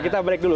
kita break dulu